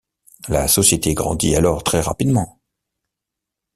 La société grandit alors très rapidement.